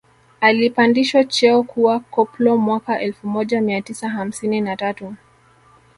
Alipandishwa cheo kuwa koplo mwaka elfu moja mia tisa hamsini na tatu